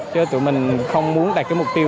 chứ tụi mình không muốn đặt cái mục tiêu